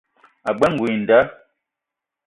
Ag͡bela ngoul i nda.